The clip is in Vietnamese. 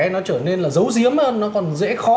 nó trở nên là dấu diếm hơn nó còn dễ khó